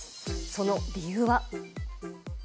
その理由は。